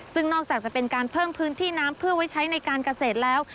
ซึ่งนอกจากจะเป็นการเพิ่มพื้นที่น้ำเพื่อไว้ใช้ในการเกษตรแล้ว